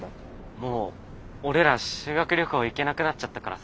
もう俺ら修学旅行行けなくなっちゃったからさ。